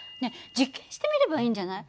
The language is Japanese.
実験してみればいいんじゃない？